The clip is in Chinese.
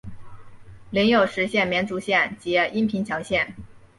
领有实县绵竹县及阴平侨县。